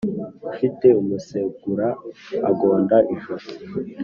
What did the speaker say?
Ufite umusegura agonda ijosi.